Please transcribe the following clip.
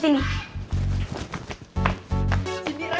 sini rai pak ali